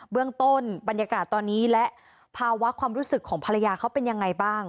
เรื่องต้นบรรยากาศตอนนี้และภาวะความรู้สึกของภรรยาเขาเป็นยังไงบ้าง